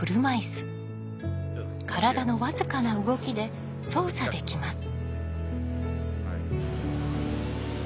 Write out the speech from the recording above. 体の僅かな動きで操作できます。